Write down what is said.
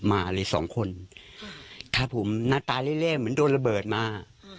มาเลยสองคนถ้าผมหน้าตายเรียบเหมือนโดนระเบิดมา